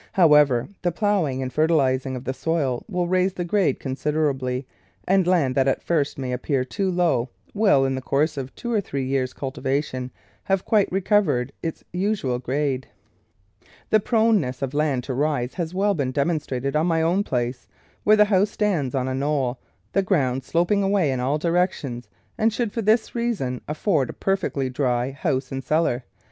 However, the ploughing and fertilising of the soil will raise the grade consider ably, and land that at first may appear too low will, in the course of two or three years' cultiva tion, have quite recovered its usual grade. The proneness of land to rise has been well dem onstrated on my own place, where the house stands on a knoll, the ground sloping away in all direc tions, and should, for this reason, afford a per fectly dry house and cellar.